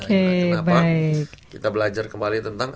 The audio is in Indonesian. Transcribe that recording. kenapa kita belajar kembali tentang